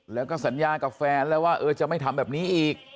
แล้วก็สัญญากับแฟนแล้วว่าจะไม่ทำแบบนี้อีก